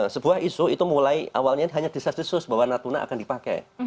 sebuah isu itu mulai awalnya hanya di sas sas bahwa natuna akan dipakai